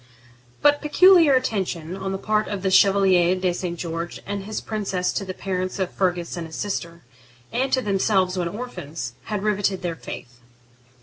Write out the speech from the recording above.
But peculiar attention on the part of the Chevalier de St. George and his princess to the parents of Fergus and his sister, and to themselves when orphans, had riveted their faith.